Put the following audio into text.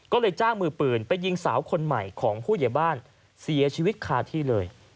ก็เลยจ้างมือปืนไปยิงสาวคนใหม่ของผู้ใหญ่บ้านเสียชีวิตคาที่เลย